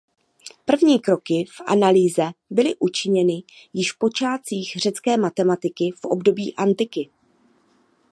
První kroky v analýze byly učiněny již v počátcích řecké matematiky v období antiky.